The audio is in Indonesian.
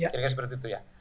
kira kira seperti itu ya